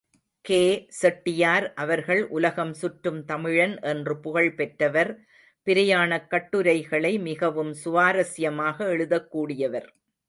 K. Chettiar அவர்கள் உலகம் சுற்றும் தமிழன் என்று புகழ் பெற்றவர், பிரயாணக்கட்டுரைகளை மிகவும் சுவாரஸ்யமாக எழுதக்கூடியவர்.